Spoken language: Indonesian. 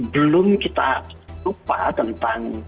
belum kita lupa tentang